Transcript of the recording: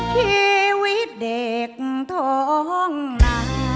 ชีวิตเด็กท้องนา